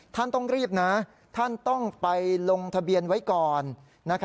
ท่านต้องรีบนะท่านต้องไปลงทะเบียนไว้ก่อน